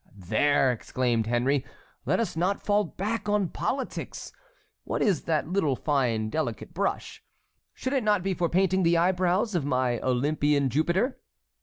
"There!" exclaimed Henry; "let us not fall back on politics! What is that little fine delicate brush? Should it not be for painting the eyebrows of my Olympian Jupiter?"